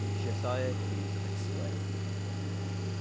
Josiah Hughes of Exclaim!